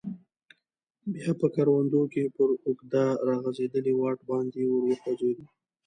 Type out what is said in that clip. بیا په کروندو کې پر اوږده راغځیدلي واټ باندې ور وخوځیدو.